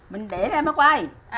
mình để ra mà quay